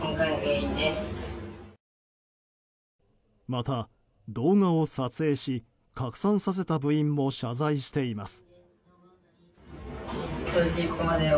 また、動画を撮影し拡散させた部員も謝罪しています。